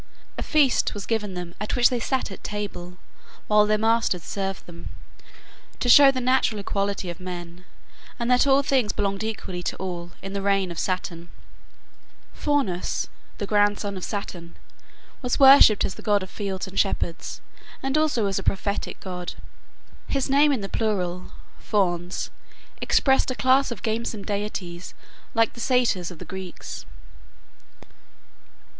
A feast was given them at which they sat at table, while their masters served them, to show the natural equality of men, and that all things belonged equally to all, in the reign of Saturn. Faunus, [Footnote: There was also a goddess called Fauna, or Bona Dea.] the grandson of Saturn, was worshipped as the god of fields and shepherds, and also as a prophetic god. His name in the plural, Fauns, expressed a class of gamesome deities, like the Satyrs of the Greeks.